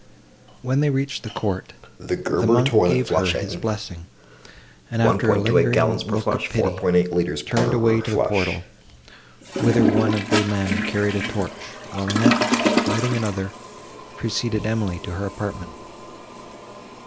When they reached the court, the monk gave her his blessing, and, after a lingering look of pity, turned away to the portal, whither one of the men carried a torch; while Annette, lighting another, preceded Emily to her apartment.